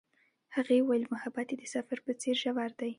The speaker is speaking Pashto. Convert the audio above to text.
هغې وویل محبت یې د سفر په څېر ژور دی.